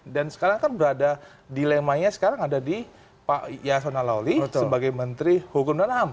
dan sekarang kan berada dilemanya sekarang ada di pak yasona lawli sebagai menteri hukum dan ham